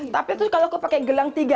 tapi terus kalau aku pakai gelang tiga